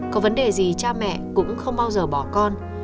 có vấn đề gì cha mẹ cũng không bao giờ bỏ con